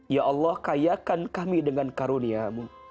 ya allah kayakan kami dengan karuniamu